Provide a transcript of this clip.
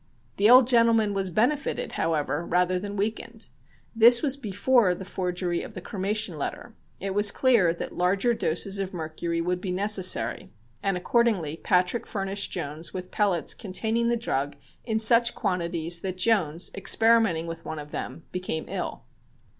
The old gentleman was benefited, however, rather than weakened. This was before the forgery of the cremation letter. It was clear that larger doses of mercury would be necessary, and accordingly Patrick furnished Jones with pellets containing the drug in such quantities that Jones, experimenting with one of them, became ill.